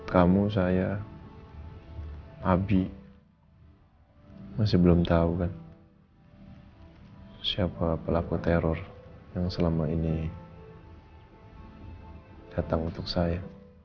kamu saya abi masih belum tahu kan siapa pelaku teror yang selama ini datang untuk saya